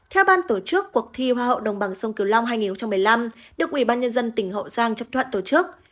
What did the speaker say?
theo ban tổ chức cuộc thi hoa hậu đồng bằng sông kiều long hai nghìn một mươi năm được ủy ban nhân dân tỉnh hậu giang chấp thuận tổ chức